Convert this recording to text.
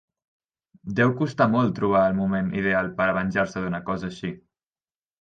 Deu costar molt trobar el moment ideal per a venjar-se d'una cosa així.